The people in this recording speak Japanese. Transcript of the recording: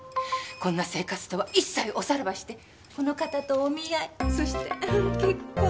こんな生活とは一切おさらばしてこの方とお見合いそして結婚。